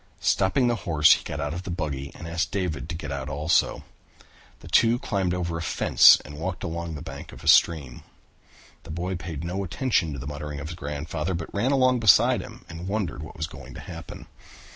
Stopping the horse he got out of the buggy and asked David to get out also. The two climbed over a fence and walked along the bank of the stream. The boy paid no attention to the muttering of his grandfather, but ran along beside him and wondered what was going to happen.